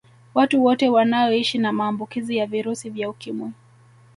Watu wote wanaoishi na maambukizi ya virusi vya Ukimwi